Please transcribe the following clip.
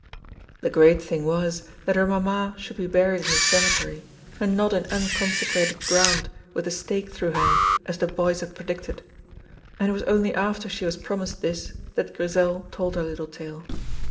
The great thing was that her mamma should be buried in the cemetery, and not in unconsecrated ground with a stake through her as the boys had predicted, and it was only after she was promised this that Grizel told her little tale.